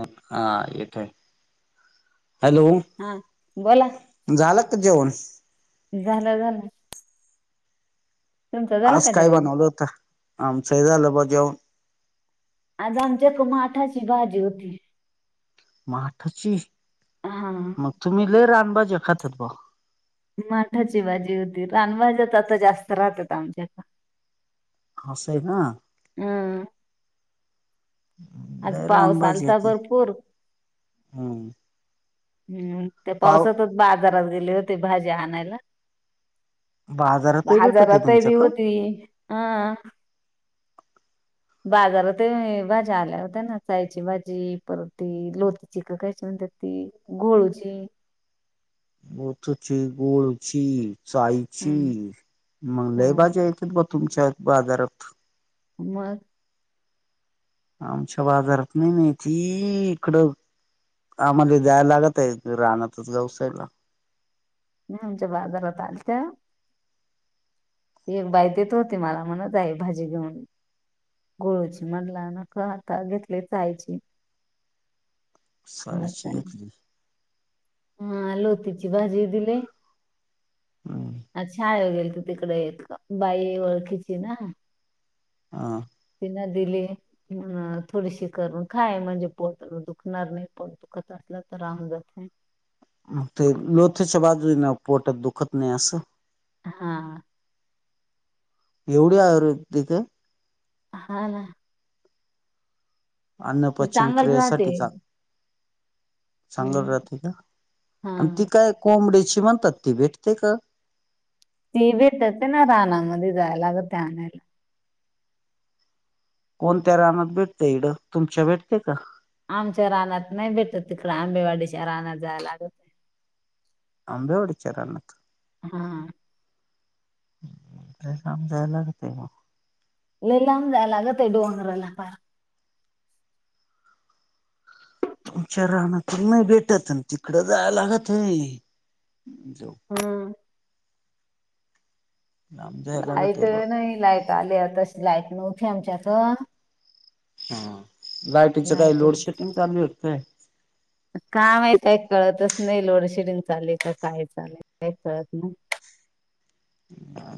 आ आ येतोय. हॅलो, हा बोला झालं का जेवण. झालं झालं. तुमचं झालं आज का काय जेवण बनवलं होत? आमचं हे झालं बघ जेवण. आज आमच्यात माठाची भाजी होती. माठाची, हा मग तुम्ही लय रानभाज्या खातात बा. माठाची भाजी होती रान भाज्यात आता जास्त राहतात आमच्या. अस ना. हम्म. आज लय पाऊस रानभाजी आहे आलता ती भरपूर. हम्म हम्म त्या पाव पावसातच बाजारात गेले होते भाजी आणायला. बाजारातही भेटते बाजारातही तुमच्याक होती. हा बाजारात भाज्या आल्या. नसायची भाजी परत ती लोक चिक कयची म्हणतात ती गोळूची. बथची, गोळची, हम्म साईची मग हा लय भाज्या येतात बघ. तुमच्या बाजारात. मग. आमच्या बाजारात नाही माती, इकडं. आम्हाला द्यायला लागतय राहनाच गावसाईला. मी तुमच्या बाजारात आलत्या. ती एक बाय देत होती मला म्हणत आहे भाजी घेऊन. गोळूची म्हटला नक आता घेतली चायची. बर सारश एक चालेल. दि. हा लोतीची भाजी दिलेय, हम्म, छाळे गेलत. तिकडे एक बाई ओळखीची ना. हां. तिन दिली, अ थोडीशी करून खाय म्हणजे पोटात दुखणार नाही पोट. दत असला तर राण जाते. ते लोथच्या भाजी ना पोटत दुखत नाही असं. हा. एवढी आयुर्वेदिक हा ना. अन्न ते पचन चांगल राहते क्रियेसाठी चां चांगल हम्म राहते का, हा आणि ती काय कोंबडी्याची म्हणतात ती भेटते का. ते भेटत पण नय रानामध्ये जायला लागत ते आणायला. कोणत्या रानात भेटते? तुमच्या भेटते का? आमच्या रानात नाही भेटत तिकड आंबेवाडीच्या रानात जायला लागत. आंबेवाडी च्या रानात. हा. ते काम जाय लागते का. लय लाम जायाय लागत डोंगरला प [unintelligible] तुमच्या रानातून नाही भेटत तिकडं जायाय लागतय. हम्म. लांब जायला लागत लाईट आहे बा नाही लाईट आली तशी लाईट नव्हती आमच्यात. हा लाइटीचं काही नाही लोड शेडिंग चालू होत? काय माहीत कळतच नाही लोडशेडिंग चाले का काय चालय काही कळत नाही.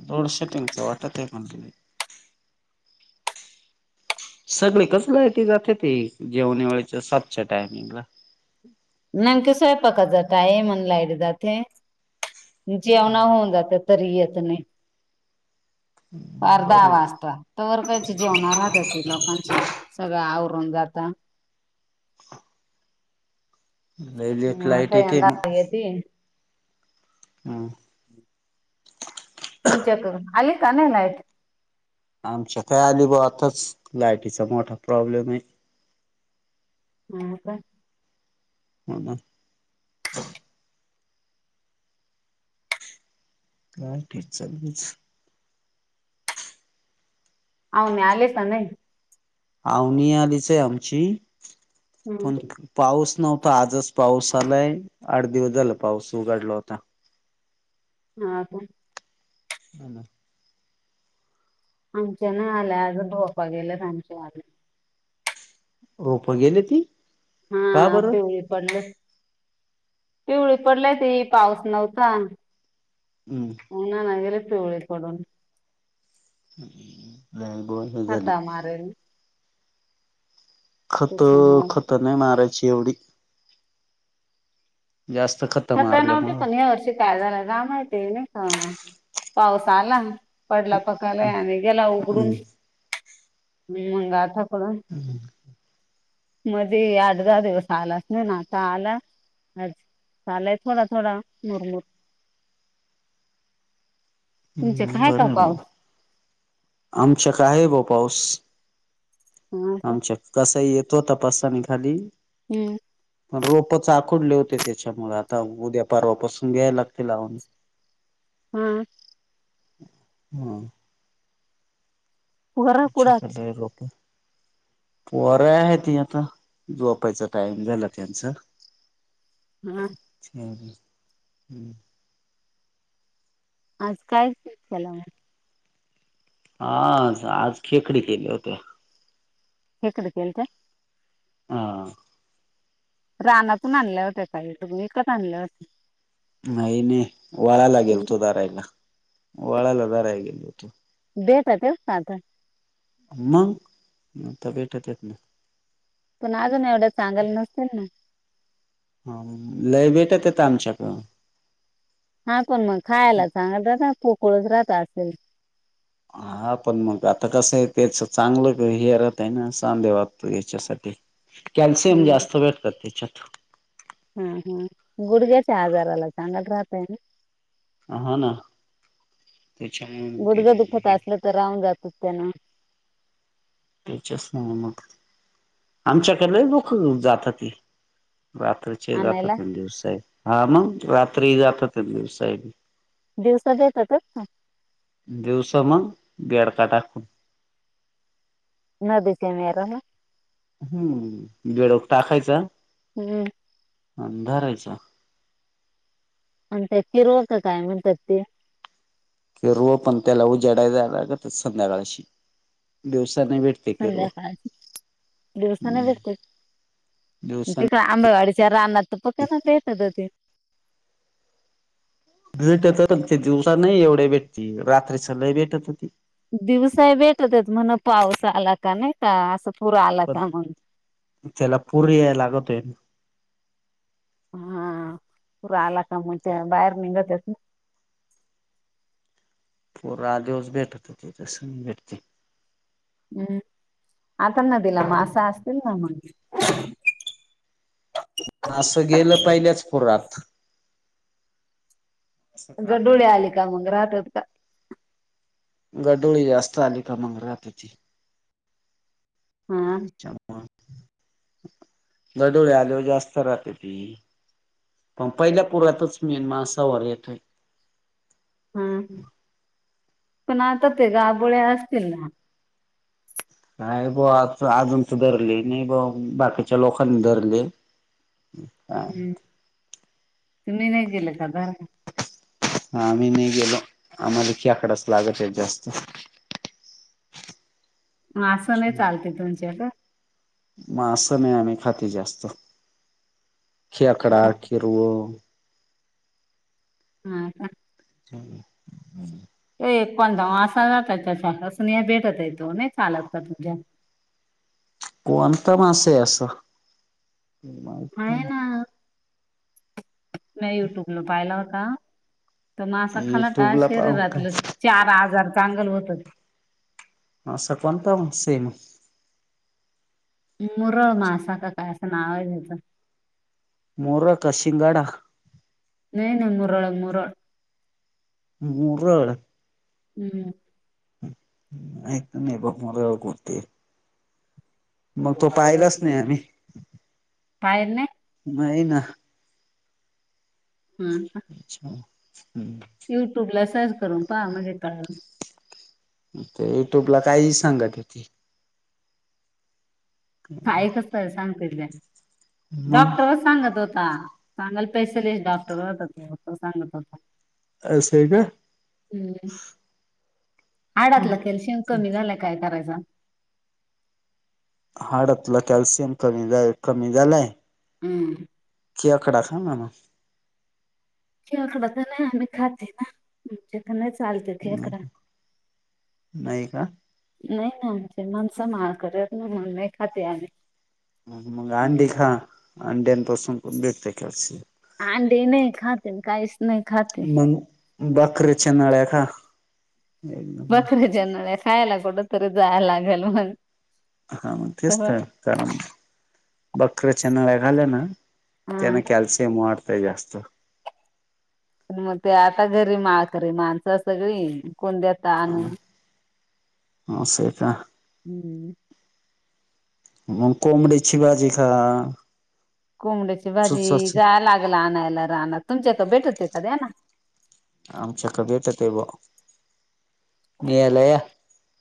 लोडशडिंगच वाटत आहे मला. सगळे कसला आहे त जातेत जेवणा वेळेच्या सातच्या टायमिंगला. नेमकं स्वयंपाकाचा टाईम आणि लाईट जाते. जेवणा होऊन जाते तरी येत नाही आठ, दहा बरं वाजता तवर घरचे जेवण राहत्याती लोकांचे सगळं आवरून जाता नाहीले फ् लाईट येते मग ते हम हम् तमच्याक अली कनलायत आमच्या का अली भावातच लायटीचा मोठा प्रॉब्लेम आहे हा का हो ना ह ठीक चालच अवनी आले का नाही? आवनी आलीच आहे आमची हम्म पण पाऊस नव्हता आजच पाऊस आलाय आठ दिवस झाला पाऊस उघडला होता हा का ह ना आमच्या ना आल्या अजून पप्पा गेल्या आमच्या आले रोप गेले ती हा का बरं आपे पणलं पिवळी पडलय ते पाऊस नव्हता हम् हो ना नाही गेले पिवळी पडून ए बोल खता मारेल खत, त्याच्यामुळं खत नाही मारायची एवढी जास्त खत छाता मारले नव्हती म्हणून पण या वर्षी काय झाला काय माहिती नई का पाऊस आला पडला पकायला आणि गेला उघडून मंग आताकडून हम मध्ये अठ, दहा दिवस आलाच नई ना आता आला आज आलाय थोडा, थोडा मुरमुर तुमचे हम् काय का बरं भाऊ पाऊस आमच्या कड हाई भाऊ पाऊस हा का आमच्या कस येतो तपासामी खाली हम्म रोपच आखडले होते त्याच्यामूळ आता उद्या पारवापासून घ्यायला लागते लावून [unintelligible] हा हम पोरं कुडात अच्छा रोक पोर आहे त आता जोपायचा टाइम झाला त्यांचा [unintelligible] हा हम् हम्म आज काय चला हा आज खेकडी केले होते खेकडे केलते हां रानातून आणल्या होत्या काही तुम इकत आणल्या होत? नाही, नाही वळाला गेलतो दारायला वळाला दारायला गेलो होतो देट तेव काता मगता भेटत येत ना पण अजून एवढ्या चांगायला नसेल ना ह लय भेटत येत आमच्याकडन हा पण मग खायला चांगल रातना पोकळच राहता असेल. हा पण मग आता कसं आहे त्याच चांगलं हेरत आहे ना सांधे वागतो याच्यासाठी. कॅल्शियम हम्म, जास्त भेटतात त्याच्यात. हा हा गुडग्याचे आजारला चांगल राहताय ना. हा ना ते छान गुडघे दुखत हे. असलं [unintelligible] तर राहून जातच त्यांना. त्याच्याच मुळ मग. आमच्याकडलं लय लोकं जातात रात. दप आणायला दिवस आहे हा मग राात्री दपन दिवस आहे. [unintelligible] दिवसात येतातच ना.? दिवस मग बेडका टाकुन. न दिसे मेराना. हम्म बेडुक टाकायचां. हम.. अन भरायचा. अ ते फिरवचं काय म्हणतात ते? रो पण त्याला उजेडायला लागत संध्याकाळशी दिवसाने भेट संध्याकाळ दिवसा नय भेटते दिवसाने त काय आंबेवाडीच्या राहना त प कसा भेटत होती [unintelligible] भेटत ते दिवसा नाही एवढ्या भेटती रात्री च लयी भेटत होती. दिवसाय भेटतच म्हण पाऊस आला का नाही का असं पुर आला का मग. तेला पुर याय लागतोय. हा पुूर आला का मग त्या बाहेर निघतस ना. पूरा दिवस भेटत ते तस भेटते. हम्म आता नदिला मास असं असतील ना मग.? असं गेलं पहिल्याच पुरात. त्यां डोळे आले का मग राहतात का.? गडोळी जास्त आली का मग रातची. हा. गडोळे आल्यावर जास्त राहते ती. पण पहिल्या पुरातच मेन मासा वर येतोय. हा ह पण आता ते गाबोळे्या असतील ना. नाही ब आज अजूनच धरले नाही बा बाकीच्या लोकांनी धरले. [inaudible] हम्म तुम्ही नाही गेलं का धरायला.? हा आम्ही नाही गेलो आम्हाला खेकडाच लागत आहेत जास्त. मास नाही चालते तुमच्या का.? मास नाही आम्ही खाती जास्त खिकडा हिरव. हा. ह् हम्. [inaudible] ते एक पणध जात त्याच्यासूनि भेटत येतो नाही चालत का तुझ्या. [unintelligible] कोणता मास आहे असं.? आहे ना मी युट्यूबला पाहिला होता तर मग असा ना खाला का युट्यूबला पाहून शरीरातलं. काय चार हजार चांगल होतच. असा कोणता मासाये मग?. मुरळ मासा का काय असं नाव आहे त्याचं. मोरक का शिंगडा.? नाही नाही मुरोळं मुरोळं. गुरळ. हू! [unintelligible] म तो पाहिलाच नही आम्ही पायल नाही नही ना. हं अच्छा हूं. युट्यूब ला सर्च करून पहा म्हणजे कळल. ते युट्यूबला काही सांगत्या ते. काय कस सांगतील त्या मग डॉक्टर च सांगत होत हा कानल स्पेशलिस्ट डॉक्टर होता, तो सांगत होता. अस आहे का? हं हाडातल कॅल्शियम कमी झाल काय करायचा? हाडातलं कॅल्शियम कमी झाय, कमी झालाय. हू! खेकडा खाना म. खेकडा त नही आम्ही खाती ना. आमच्याक नही चालतं खेकडा. मग नाही का नही ना आमचे माणसं माळकरी आहेत ना, म्हणु नाही खाती आम्ही. मग अंडे खा अंड्यानपासून पण भेटतय कॅल्शियम. अंडे नही खातन कायस मंग बकरीच्या नळ्या खा. एकदम बकरीेच्या नळ्या खायला, कुठं तरी जायला लागल मंग हा मग तेच त कारण, बकऱ्या च्या नळ्या खाल्या ना त्याने हा कॅल्शिअम वाढतय जास्त. अन मं ते आता घरी माळकरी माणसं सगळी, कोण देतं आणून. आस हे का. ह [inaudible] मग कोंबडीची भाजी खा कोबंड्याची भाजी सुचाची जाया लाग ल आणायला रानात, तुमच्याक भेट ती त दया ना. आमच्याक भेटत बॉ नेयाला या.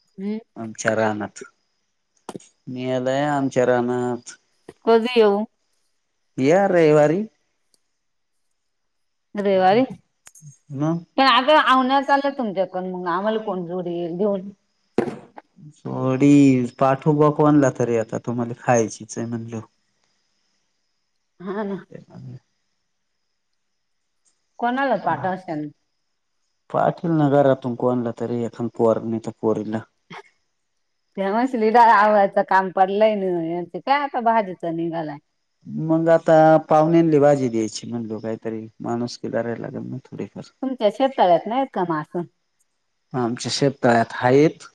[inaudible] आमच्या रानात, नेयाला या आमच्या रानात. कधी येऊ? या रयीवारी. रयीवारी? मग तं आग आवण्या चालय तुमच्याकुण, मग आम्हाला कोण जोडी घेऊन जोडी पाठु बा कोणला तरी, आता तुम्हाला खायचीच हे म्हणल्याव. हा ना. कोणाला पाठवशाल. पाठील ना घरातून कोणला तरी एखान. पोर नाही त पोरीला. ते म्हणशील इथं आवायचं काम पडलंय न यांच काय आता भाजीच निघालाय. मंग आता पाहुण्यांले भाजी द्यायची म्हणल्याव काहीतरी माणूसकी धरायला लागल ना. थोडीफार. तुमच्या शेततळ्यात नाहीहेत का मास? आमच्या शेतताळ्यात आहेत.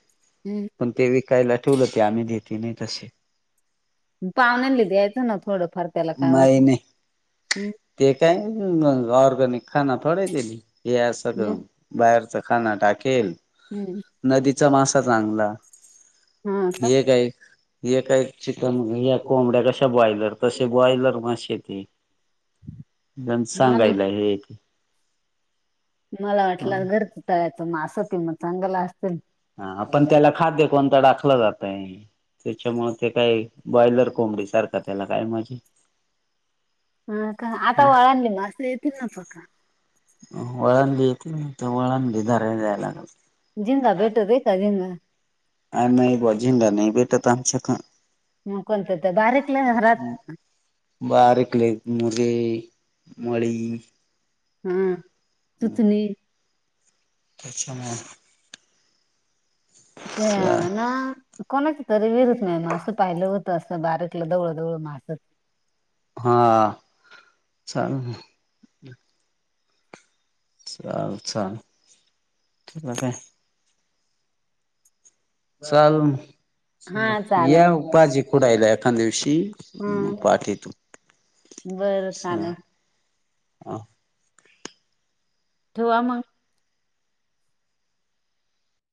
हूं! पण ते विकायला ठुवलं ते आम्ही देती नाही तसे. पाहुण्या न ले दयायचं ना थोडं फार त्याला काय वत. नाही नाही ते काय ऑर्गनिक खाना थोड हे आ सगळ. मग बाहेरच खाना टाकेल. हूं! नदीचा मासा चांगला. हा का? ए का एक चिकन या कोंबड्या कशा बॉयलर तशी बॉयलर माशे ती. [unintelligible] [inaudible] जण मला सांगायला हे ते मला वाटलं घरच टायचं मग असं तेि मग चांगलं असतील. हा पण त्याला खाद्य कोणतं टाकलं जात आहे? त्याच्यामुळे ते काय बॉयलर कोंबडी सारखा त्याला काय मजा. हा का आता वळांनी मासे येतील ना पका? वळंदी येते तर वळंदी रा जायला लागते. जिंदा भेटत बेता जिंद? ह नाही बजेंडा नाही ब एट तर आमच्याछ [unintelligible] न कोतते बारी कला ह [unintelligible] बारीक ले मुगे मळी हा सुथणी त्याच्या [inaudible] [unintelligible] द्या ना. कोणाच तरी विहिरीत नाही मास असं पाहिलं होतं असं बारकला जवळं जवळं मासं. हा चाल. चाल चालल मग काय? चालल. हा या चालेल भाजी खुडायला एका दिवशी हा पाटी' बरं चालं. ह [unintelligible] [inaudible] धुवा मग.